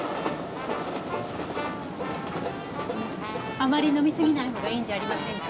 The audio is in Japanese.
あまり飲み過ぎないほうがいいんじゃありませんか？